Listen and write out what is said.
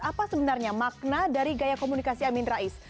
apa sebenarnya makna dari gaya komunikasi amin rais